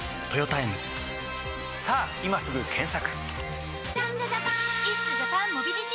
さぁ今すぐ検索！